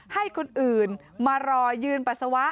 ให้คนอื่นมารอยืนปัสสาวะ